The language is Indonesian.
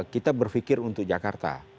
kita berfikir untuk jakarta